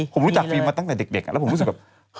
ผมรู้จักฟิล์มมาตั้งแต่เด็กแล้วผมรู้สึกแบบ